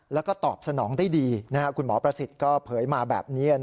แล้วก็ตอบสนองได้ดีคุณหมอประสิทธิ์ก็เผยมาแบบนี้